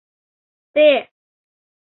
Те...